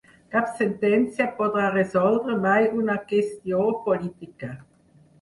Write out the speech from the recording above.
Cap sentència podrà resoldre mai una qüestió política.